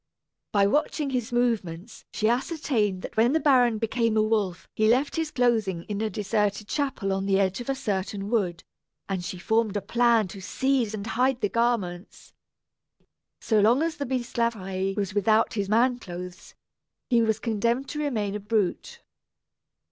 By watching his movements she ascertained that when the baron became a wolf he left his clothing in a deserted chapel on the edge of a certain wood; and she formed a plan to seize and hide the garments. So long as the Bisclaveret was without his man's clothes, he was condemned to remain a brute.